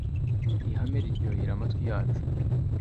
ihame riryohera amatwi yacu